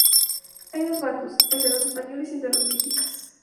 Hay dos bandos: el de los españoles y el de los mexicas.